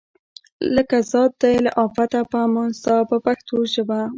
لکه ذات دی له آفته په امان ستا په پښتو ژبه.